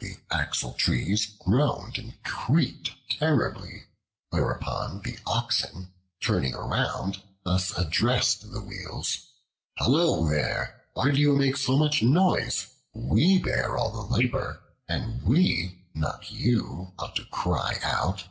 The Axle trees groaned and creaked terribly; whereupon the Oxen, turning round, thus addressed the wheels: "Hullo there! why do you make so much noise? We bear all the labor, and we, not you, ought to cry out."